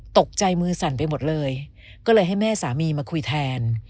ตกใจมือสั่นไปหมดเลยก็เลยให้แม่สามีมาคุยแทน